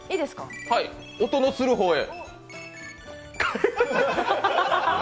音のする方へ。